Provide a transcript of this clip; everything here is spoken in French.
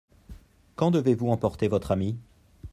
Quand devez-vous emporter votre ami ?